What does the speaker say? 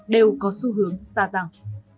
đều có xu hướng xa tăng